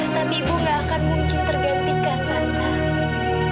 tapi ibu gak akan mungkin tergantikan mata